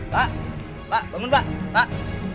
pak bangun pak